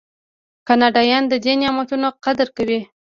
کاناډایان د دې نعمتونو قدر کوي.